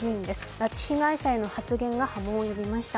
拉致被害者への発言が波紋を呼びました。